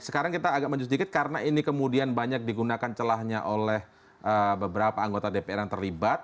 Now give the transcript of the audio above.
sekarang kita agak maju sedikit karena ini kemudian banyak digunakan celahnya oleh beberapa anggota dpr yang terlibat